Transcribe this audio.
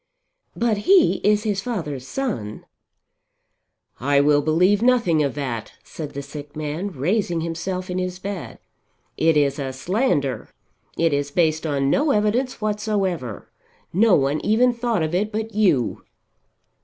"But he is his father's son." "I will believe nothing of that," said the sick man raising himself in his bed. "It is a slander; it is based on no evidence whatsoever. No one even thought of it but you."